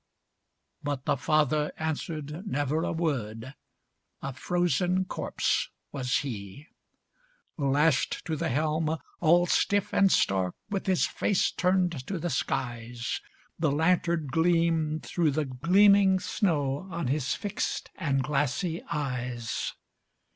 But the father answered never a word, A frozen corpse was he. Lashed to the helm, all stiff and stark, With his face turned to the skies, The lantern gleamed through the gleaming snow On his fixed and glassy eyes.